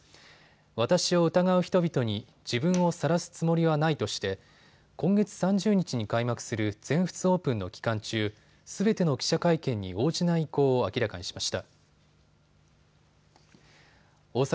私を疑う人々に自分をさらすつもりはないとして今月３０日に開幕する全仏オープンの期間中、すべての記者会見に応じない意向を明らかにしました。